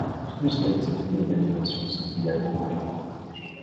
Plus d'activités et d'animations sont également prévues.